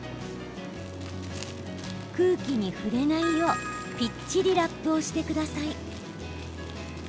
空気に触れないようぴっちりラップをしてください。